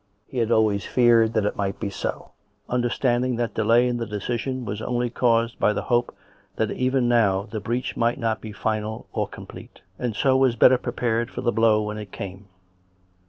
He had always feared that it might be so, understanding that delay in the de cision was only caused by the hope that even now the breach might not be final or complete; and so was better prepared for the blow when it came.